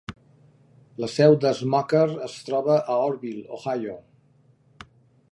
La seu de Smucker es troba a Orrville, Ohio.